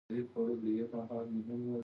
مور مې بلې کوټې ته بوتلم. هلته مې ولیدله چې